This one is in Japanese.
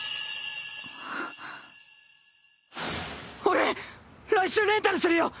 俺来週レンタルするよ。